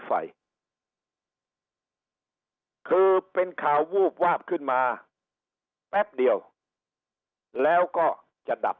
ไฟคือเป็นข่าววูบวาบขึ้นมาแป๊บเดียวแล้วก็จะดับ